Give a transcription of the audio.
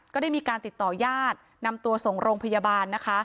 ก็ได้มีการติดต่อญาตินำตัวส่งโรงพยาบาลนะคะ